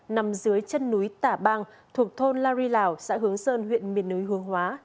nằm dưới chân núi tả bang thuộc thôn la ri lào xã hướng sơn huyện miền núi hướng hóa